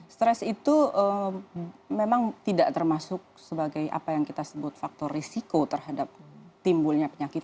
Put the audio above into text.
stres itu memang tidak termasuk sebagai apa yang kita sebut faktor risiko terhadap timbulnya penyakit